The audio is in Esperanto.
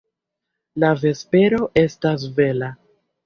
La vespero estas bela!